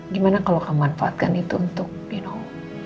gimana kalau kamu manfaatkan itu untuk you know